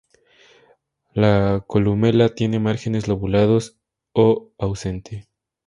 La columela tiene márgenes lobulados o ausente.